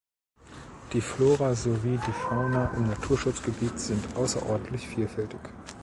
Die Flora sowie die Fauna im Naturschutzgebiet sind außerordentlich vielfältig.